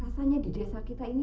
rasanya di desa kita ini